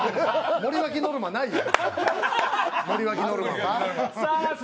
森脇ノルマないよ。